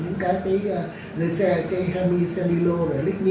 những cái tích dưới xe cái hàm mi xe mi lô lít minh tất cả nó bay đi